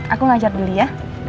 aku ngajar beli ya